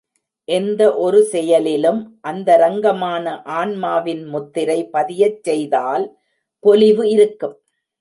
எந்த ஒரு செயலிலும் அந்தரங்கமான ஆன்மாவின் முத்திரை பதியச் செய்தால் பொலிவு இருக்கும்.